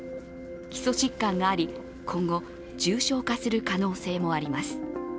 基礎疾患があり、今後、重症化する可能性もあります。